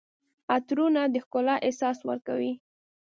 عطرونه د ښکلا احساس ورکوي.